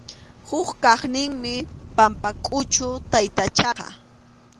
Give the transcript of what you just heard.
Huk kaqninmi Pampakʼuchu taytachaqa.